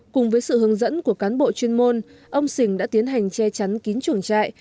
cùng với sự hướng dẫn của cán bộ chuyên môn ông sình đã tiến hành che chắn kín chuồng trại